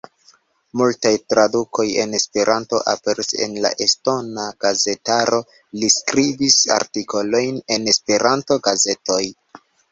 Multaj tradukoj el Esperanto aperis en la estona gazetaro; li skribis artikolojn en Esperanto-gazetoj.